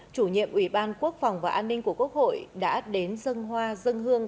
chủ nhiệm ủy ban quốc phòng và an ninh của quốc hội đã đến dân hoa dân hương